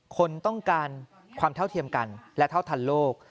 คนต้องการความเท่าเทียมกันและเท่าทันโลก